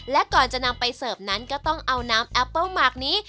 และก่อนจะนำไปเสิร์ฟนั้นก็ต้องเอาน้ำแอปเปิ้ลหมากนี้